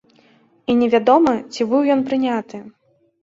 І невядома, ці быў ён прыняты.